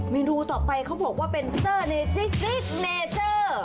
เมนูต่อไปเขาบอกว่าเป็นเซอร์เนจิ๊กเนเจอร์